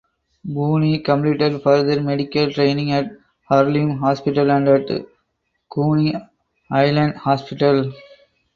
Boone completed further medical training at Harlem Hospital and at Coney Island Hospital.